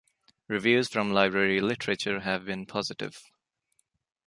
Reviews from library literature have been positive.